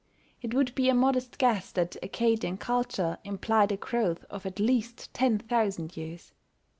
It would be a modest guess that Accadian culture implied a growth of at least ten thousand years.